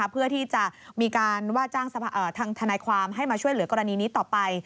เพื่อที่จะมีการว่าจ้างทางทนายความให้มาช่วยเหลือกรณีนี้ต่อไป